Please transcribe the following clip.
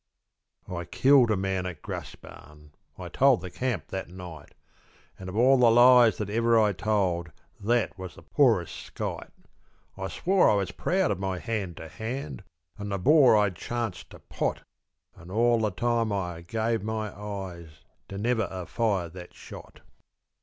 I killed a man at Graspan; I told the camp that night; An' of all the lies that ever I told That was the poorest skite. I swore I was proud of my hand to hand, An' the Boer I'd chanced to pot, An' all the time I'd ha' gave my eyes To never ha' fired that shot.